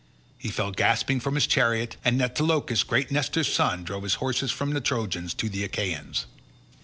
He fell gasping from his chariot and Antilochus, great Nestor's son, drove his horses from the Trojans to the Achaeans.